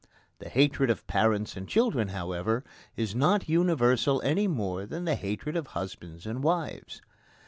The hatred of parents and children, however, is not universal any more than the hatred of husbands and wives.